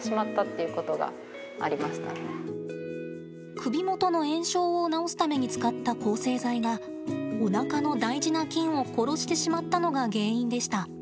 首元の炎症を治すために使った抗生剤がおなかの大事な菌を殺してしまったのが原因でした。